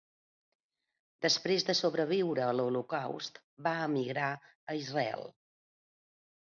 Després de sobreviure a l'Holocaust, va emigrar a Israel.